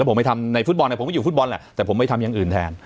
ผมไม่อยู่ฟุตบอลอะนะแต่ผมไปทำอย่างอื่นแทน